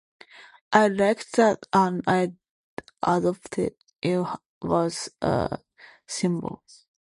I liked that and I adopted it as a symbol.